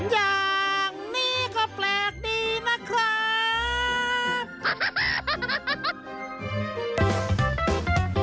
อย่างนี้ครับแมว